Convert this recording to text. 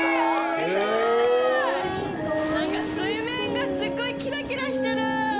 なんか水面がすっごいきらきらしてる。